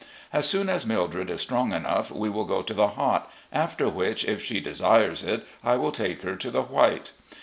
As soon as Mildred is strong enough, we will go to the Hot, after which, if she desires it, I will take her to the White.